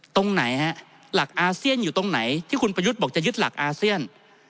ตรงไหนฮะหลักอาเซียนอยู่ตรงไหนที่คุณประยุทธ์บอกจะยึดหลักอาเซียน